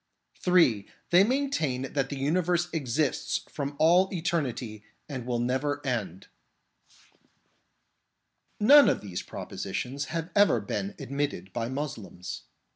(3) They maintain that the universe exists from all eternity and will never end. 3 34 MORAL PHILOSOPHERS None of these propositions have ever been admitted by Moslems.